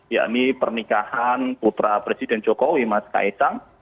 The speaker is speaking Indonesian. yakni pernikahan putra presiden jokowi mas kaisang